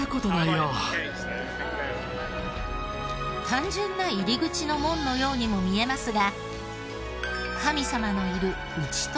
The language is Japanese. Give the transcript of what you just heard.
単純な入り口の門のようにも見えますが。